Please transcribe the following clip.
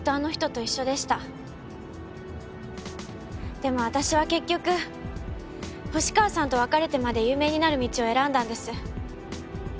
でも私は結局星川さんと別れてまで有名になる道を選んだんです。